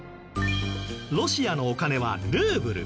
ロシアのお金はルーブル。